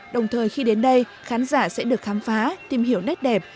đồng thời khi đến đây khán giả sẽ được khám phá tìm hiểu nét đẹp